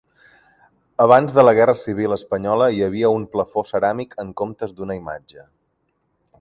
Abans de la Guerra Civil Espanyola hi havia un plafó ceràmic en comptes d'una imatge.